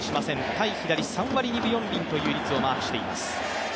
対左、３割２分４厘という、率をマークしています。